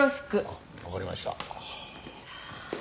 あっわかりました。